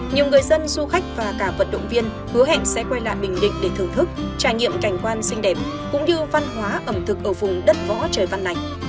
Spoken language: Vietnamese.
nhiều người dân du khách và cả vận động viên hứa hẹn sẽ quay lại bình định để thưởng thức trải nghiệm cảnh quan xinh đẹp cũng như văn hóa ẩm thực ở vùng đất võ trời văn này